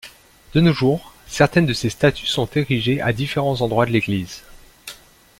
De nos jours, certaines de ces statues sont érigées à différents endroits de l'église.